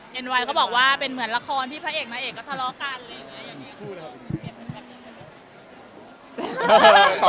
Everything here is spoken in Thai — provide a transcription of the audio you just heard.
ตลอกกันอย่างคู่เรา